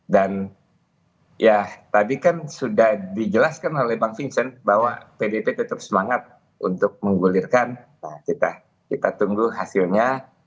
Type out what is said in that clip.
dan ya tadi kan sudah dijelaskan oleh bang vincent bahwa pdip tetap semangat untuk menggulirkan kita tunggu hasilnya